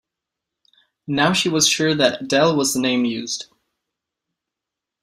And now she was sure that Adele was the name used.